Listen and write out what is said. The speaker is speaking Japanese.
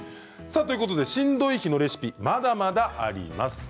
しんどい日のレシピまだまだあります。